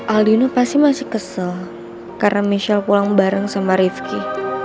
aldino pasti masih kesel karena michelle pulang bareng sama rifki